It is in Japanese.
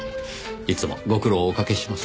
いつもご苦労をおかけします。